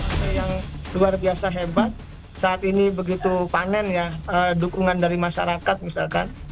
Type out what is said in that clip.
sungai yang luar biasa hebat saat ini begitu panen ya dukungan dari masyarakat misalkan